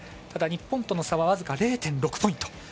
ただ日本との差は僅か０．６ポイント。